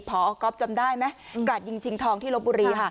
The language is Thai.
พออาทิตย์จำได้มั๊ยกล่าญศีลชิงทองที่ลบบุรี